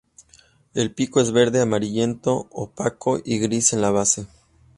El pico es verde amarillento opaco y gris en la base.